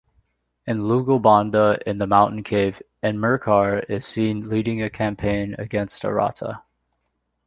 In "Lugalbanda in the Mountain Cave", Enmerkar is seen leading a campaign against Aratta.